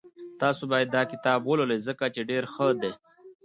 تاسو باید داکتاب ولولئ ځکه چی ډېر ښه ده